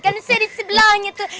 karena saya di sebelahnya tuh